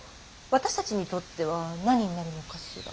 私たちにとっては何になるのかしら。